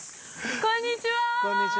こんにちは。